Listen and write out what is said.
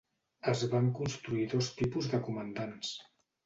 Es van construir dos tipus de comandants.